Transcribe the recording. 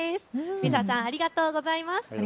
みささん、ありがとうございます。